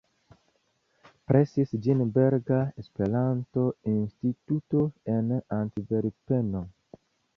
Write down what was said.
Presis ĝin Belga Esperanto-Instituto en Antverpeno.